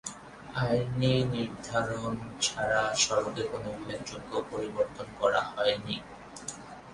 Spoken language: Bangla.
আইনি নির্ধারণ ছাড়া সড়কে কোন উল্লেখযোগ্য পরিবর্তন করা হয়নি।